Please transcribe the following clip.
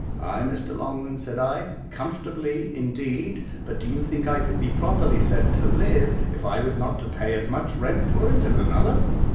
"Ay, Mr. Longman," said I, "comfortably indeed: but do you think I could be properly said to live, if I was not to pay as much rent for it as another?"